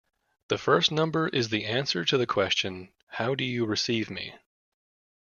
The first number is the answer to the question How do you receive me?